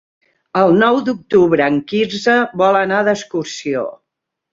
El nou d'octubre en Quirze vol anar d'excursió.